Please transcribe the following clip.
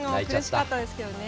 苦しかったですけどね。